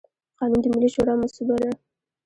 قانون د ملي شورا مصوبه ده.